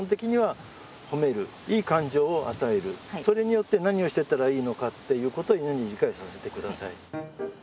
それによって何をしてったらいいのかっていうことを犬に理解させてください。